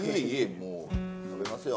もう食べますよ。